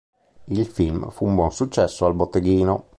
Il film fu un buon successo al botteghino.